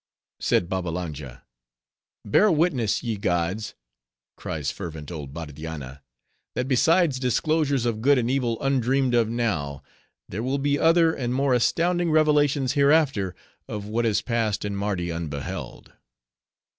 Said Babbalanja, "Bear witness, ye gods! cries fervent old Bardianna, that besides disclosures of good and evil undreamed of now, there will be other, and more astounding revelations hereafter, of what has passed in Mardi unbeheld."